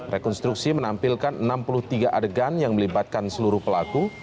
rekonstruksi menampilkan enam puluh tiga adegan yang melibatkan seluruh pelaku